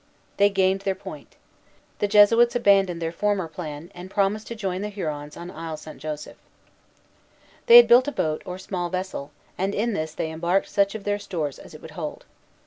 They gained their point. The Jesuits abandoned their former plan, and promised to join the Hurons on Isle St. Joseph. They had built a boat, or small vessel, and in this they embarked such of their stores as it would hold.